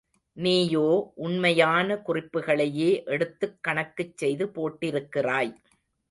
நீயோ, உண்மையான குறிப்புகளையே எடுத்துக் கணக்குச் செய்து போட்டிருக்கிறாய்.